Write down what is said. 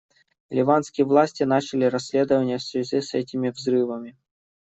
Ливанские власти начали расследование в связи с этими взрывами.